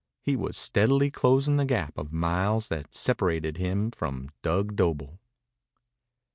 He was steadily closing the gap of miles that separated him from Dug Doble.